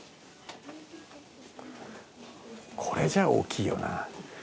これじゃ大きいよな。